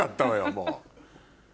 もう。